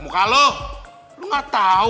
muka lu lu gak tau